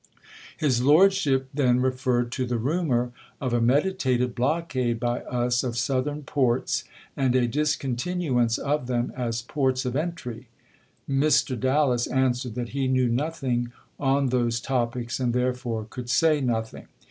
His Lordship then re ferred to the rumor of a meditated blockade by us of Southern ports, and a discontinuance of them as ports of entry. Mr. Dallas answered that he knew nothing on those topics and therefore could say nothing.